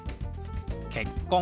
「結婚」。